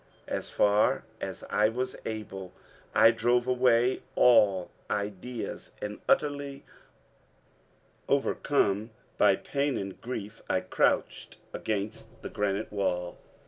As far as I was able, I drove away all ideas, and utterly overcome by pain and grief, I crouched against the granite wall.